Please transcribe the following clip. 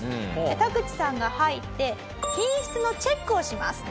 タグチさんが入って品質のチェックをします。